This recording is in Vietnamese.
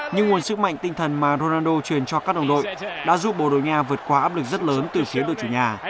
nhưng nguồn sức mạnh tinh thần mà ronaldo truyền cho các đồng đội đã giúp bồ đồ nga vượt qua áp lực rất lớn từ phía đội chủ nhà